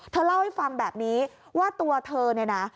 เล่าให้ฟังแบบนี้ว่าตัวเธอเนี่ยนะ